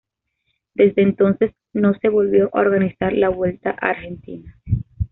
Desde entonces, no se volvió a organizar la Vuelta a Argentina.